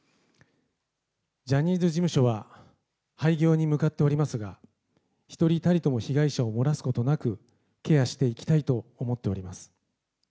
ジャニーズ事務所は、廃業に向かっておりますが、一人たりとも被害者を漏らすことなくケアしていきたいと思っております。